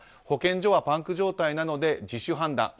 保健所はパンク状態なので自主判断。